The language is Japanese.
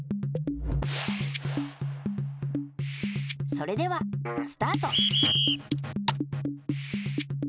それではスタート！